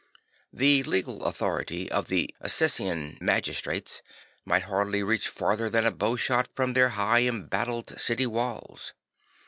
The legal Francis the Fighter 53 authority of the Assisian magistrates might hardly reach further than a bow shot from their high embattled city walls.